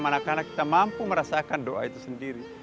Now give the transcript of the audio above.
manakala kita mampu merasakan doa itu sendiri